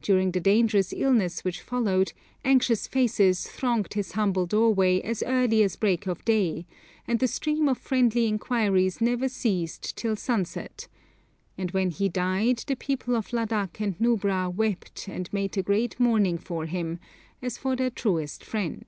During the dangerous illness which followed, anxious faces thronged his humble doorway as early as break of day, and the stream of friendly inquiries never ceased till sunset, and when he died the people of Ladak and Nubra wept and 'made a great mourning for him,' as for their truest friend.